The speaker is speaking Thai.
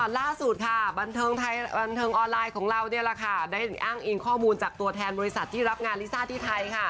ล่าสุดค่ะบันเทิงออนไลน์ของเราได้อ้างอิงข้อมูลจากตัวแทนบริษัทที่รับงานลิซ่าที่ไทย